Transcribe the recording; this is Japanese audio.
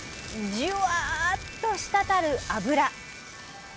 じゅわっと滴る脂。